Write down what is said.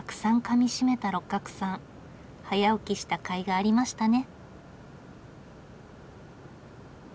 早起きしたかいがありましたね。